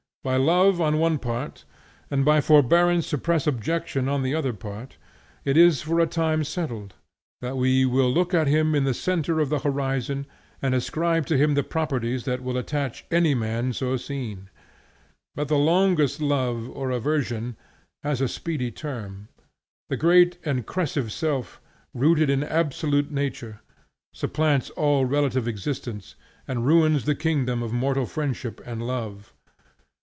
By love on one part and by forbearance to press objection on the other part, it is for a time settled, that we will look at him in the centre of the horizon, and ascribe to him the properties that will attach to any man so seen. But the longest love or aversion has a speedy term. The great and crescive self, rooted in absolute nature, supplants all relative existence and ruins the kingdom of mortal friendship and love.